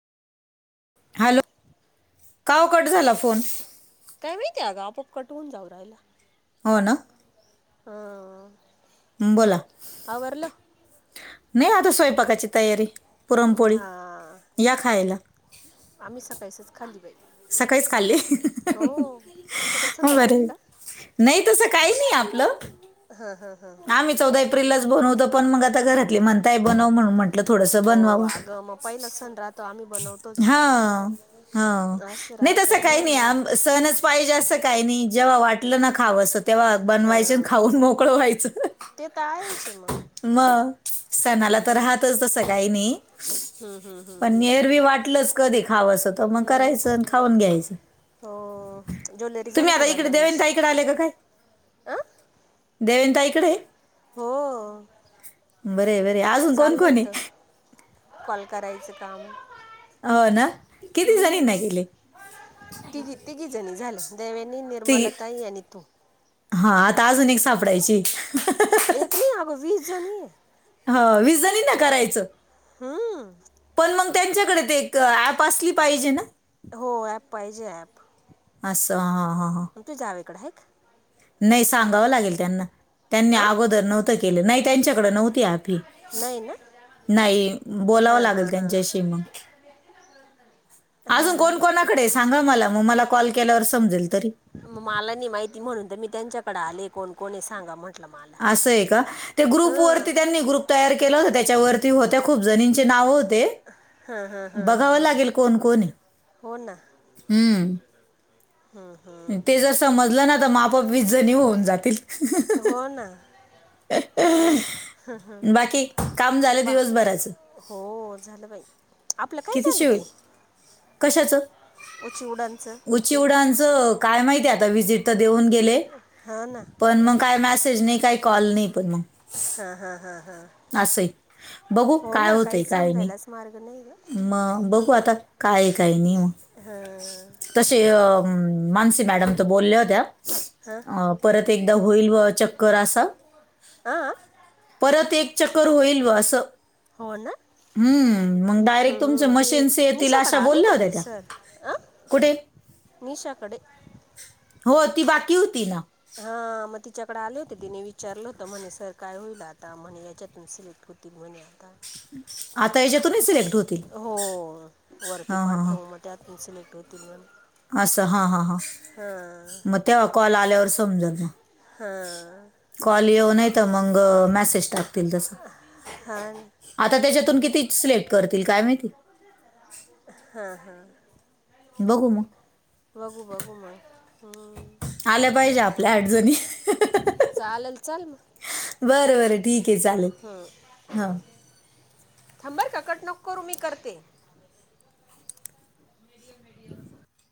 Hello का ओ cut झाला फोन? काय माहितीय अगं आपोआप कट होऊन जाऊ राहिला. हो ना. हाव. बोला, नाही आता स्वयंपाकाची तयारी. पुरणपोळी हां या खायला. आम्ही सकाळचं खाल्ली बाई. सकाळीच खाल्ली हो तुमच्याकडे हा बरी संध्याकाळी आहे हाय. का नाही तसं काही नाही आपलं हा हा हा, आम्ही चौदा एप्रिललाच बनवतो पण मंग आता घरातली म्हणताय बनव म्हणून म्हटलं म्हटलं थोडस हो बनवाव अगं मग पहिला सण राहतो आम्ही बनवतोच हा. हं असं नाही राहतं तसं काही नाही हां आम सणच पाहिजे असं काही नाही जेव्हा वाटलं ना खावसं तेव्हा बनवायचं आणि खाऊन हां मोकळ व्हायचं. ते त आहेच म म सणाला तर राहतच तसं काही नाही, हुं हुं हुं, पण एरवी वाटलच कधी खावसं त मंग हा ना करायचं आण खाऊन घ्यायचं. हो ज्वेलरी तुम्ही झाली का आता इकडे देवयानी बनवायची ताईकड आले का काय? अं देवयानी ताईकडे? हो बरं आहे बरं आहे, आजून कोण चाललं कोण हे? होतं कॉल करायचं काम हो ना, किती जणीना हं गेले? तिघी तिघी जणी झालं देवयानी, ती निर्मला ताई आणि तू. हा आता आजून एक सापडायची हे. एक नाही आगं वीसजनी. हो वीसजणीना करायचं. हं, पण मंग त्यांच्याकडे ते एक ऍप आसली पाहिजे ना? हो ॲप पाहिजे ॲप आसं हा हा हा, तू जावेकडे हाय का? नाही सांगावं लागेल त्यांना त्यांनी हां आगोदर नव्ह तं केलं नाही त्यांच्याकड नव्हती अँप ही. नाही ना नाही, बोलावं लागल त्यांच्याशी मंग. हा, फोन कोणाकडे हे सांगा मला म मला कॉल केल्यावर समजेल तरी. मला नाही माहिती म्हणून तर मी त्यांच्याकड आले कोण कोण हे सांगा म्ह आसं आहे का? ते ग्रुप वरती त्यांनी ग्रुप तयार केला होता त्याच्यावरती होत्या खूप जणींचे नाव होते, हा हा हा, बघावं लागेल कोण कोण हे? हो ना, हुं, ते जर समजलं ना त म आपोआप वीसजणी होऊन जातील. हो ना. बाकी काम झालं बा दिवसभराचं? हो, झालं बाई. आपलं काय किती झालं शिव, ते कशाचं? ओ चिवडांच ओ चिवडांच काय माहिती आता व्हिजिट त देऊन गेले हा ना. पण मग काय मेसेज नाही, काय कॉल नाही पण मंग. हा हा हा हा, असंय, बघू काय होतंय काय नाही. समजायलाच मार्ग नाही गं मग, बघू आता, काय काय नाही मग,, हां तशे अ मानसी मॅडम त बोलल्या होत्या. हां. अं, परत एकदा होईल व चक्कर असं,, हां परत एक चक्कर होईल व असं हो ना. हम्म मग हं डायरेक्ट तुमचे हं, ते मशीन्स येतील निशाकडं अशा बोलल्या आलेते होत्या ते त्या सर,, आ कुठे निशा कडे हो ती बाकी होती ना. हा, मग तिच्याकडे आले होते तिने विचारलं होतं म्हणे सर काय होईल आता,, म्हणे याच्यातुन सिलेक्ट होत होतील मने आता. आता याच्यातूनही सिलेक्ट होतील हो,, वरती हां हां पाठव म हां त्यातून सिलेक्ट होतील मने असं हां हां हां,, मग तेव्हा कॉल आल्यावर समजल मग. हां कॉल येऊ न तर मंग मेसेज टाकतील तसं,, हां ना आता त्याच्यातून किती सिलेक्ट करतील काय माहिती? हा हा. बघू मग. बघू बघू मग, हं आल्या पाहिजे आपल्या अडचणी चाललं चाल म बर बर ठीकेय चालेल. हां,, हां थांबबरं कट नको करू मी करते.